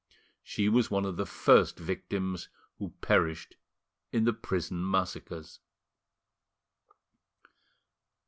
She was one of the first victims who perished in the prison massacres.